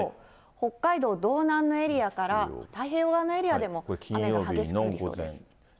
北海道、道南のエリアから太平洋側のエリアでも、雨が激しく降りそうです。